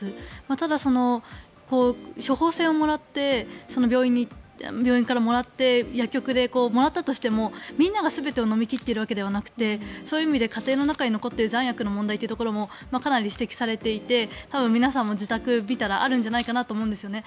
ただ、処方せんを病院からもらって薬局でもらったとしてもみんなが全てを飲み切っているわけではなくてそういう意味で家庭の中に残っている残薬の問題もかなり指摘されていて多分皆さんも自宅を見たらあるんじゃないかと思うんですよね。